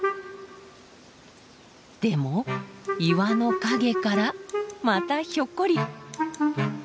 でも岩の陰からまたひょっこり。